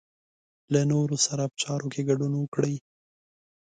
له نورو سره په چارو کې ګډون وکړئ.